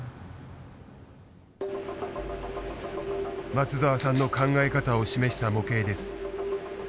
松澤さんの考え方を示した模型です。